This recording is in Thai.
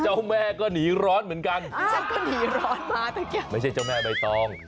จ้าวแม่ก็หนีร้อนเหมือนกันไม่ใช่เจ้าแม่มายทอง